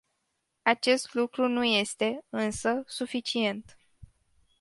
Acest lucru nu este, însă, suficient.